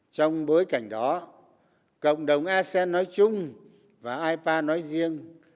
trong bối cảnh đó cộng đồng asean nói chung và ipa nói riêng